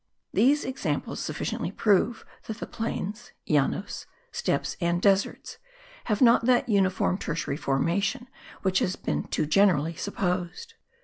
These examples sufficiently prove that the plains (llanos), steppes and deserts have not that uniform tertiary formation which has been too generally supposed.